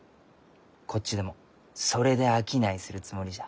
こっちでもそれで商いするつもりじゃ。